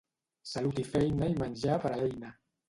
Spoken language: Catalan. Salut i feina i menjar per a l'eina.